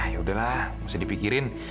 ya udahlah mesti dipikirin